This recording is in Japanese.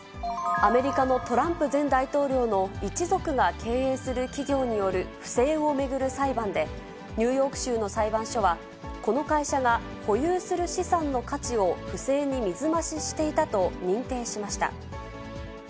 アメリカのトランプ前大統領の一族が経営する企業による不正を巡る裁判で、ニューヨーク州の裁判所は、この会社が保有する資産の価値を不正に水増ししていたと認定しました。